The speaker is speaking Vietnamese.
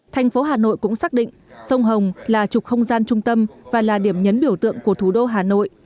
thành phố hà nội cũng xác định sông hồng là trục không gian trung tâm và là điểm nhấn biểu tượng của thủ đô hà nội